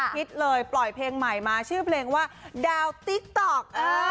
คิดเลยปล่อยเพลงใหม่มาชื่อเพลงว่าดาวติ๊กต๊อก